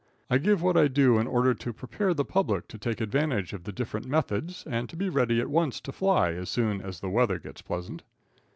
I give what I do in order to prepare the public to take advantage of the different methods, and be ready at once to fly as soon as the weather gets pleasant.